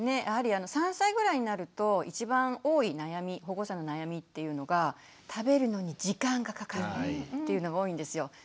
やはり３歳ぐらいになると１番多い悩み保護者の悩みっていうのが食べるのに時間がかかるっていうのが多いんですよ。